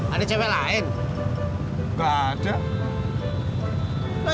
ada cewek lain nggak ada